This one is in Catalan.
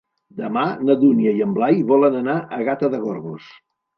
Demà na Dúnia i en Blai volen anar a Gata de Gorgos.